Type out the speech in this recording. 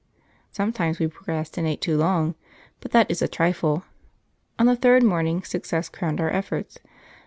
Sometimes we procrastinate too long, but that is a trifle. On the third morning success crowned our efforts.